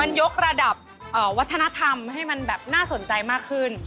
มันยกระดับวัฒนธรรมให้มันแบบน่าสนใจมากขึ้น